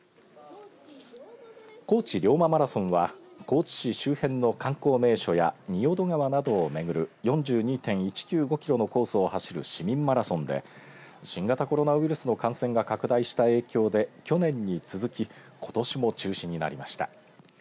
高知龍馬マラソンは高知市周辺の観光名所や仁淀川などをめぐる４２．１９５キロのコースを走る市民マラソンで新型コロナウイルスの感染が拡大した影響で去年に続き、ことしも中止になりました。